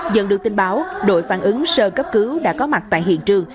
dần được tin báo đội phản ứng sơ cấp cứu đã có mặt tại hiện trường